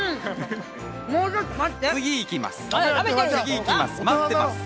次にいきます。